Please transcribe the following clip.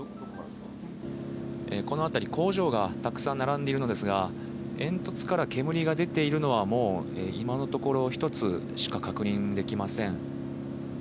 この辺り、工場がたくさん並んでいるのですが、煙突から煙が出ているのは今のところ、１つしか確認できません。